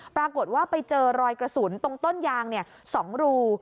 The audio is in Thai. ปรากฏว่าไปเจอรอยกระสุนตรงต้นยาง๒รู